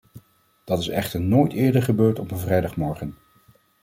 Dat is echt nooit eerder gebeurd op een vrijdagmorgen.